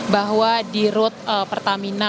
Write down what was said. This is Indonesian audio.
bahwa di rut pertamina